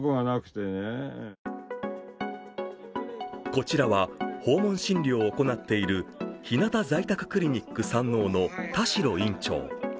こちらは訪問診療を行っているひなた在宅クリニック山王の田代院長。